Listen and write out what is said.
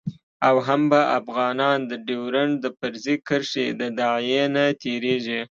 او هم به افغانان د ډیورند د فرضي کرښې د داعیې نه تیریږي